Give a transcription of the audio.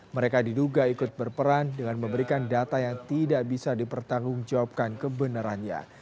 mereka diduga ikut berperan dengan memberikan data yang tidak bisa dipertanggungjawabkan kebenarannya